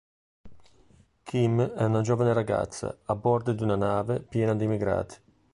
Kim è una giovane ragazza a bordo di una nave piena di immigrati.